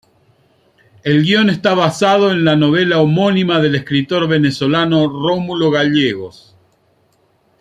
El guion está basado en la novela homónima del escritor venezolano Rómulo Gallegos.